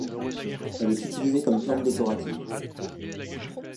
Elle est utilisée comme plante décorative.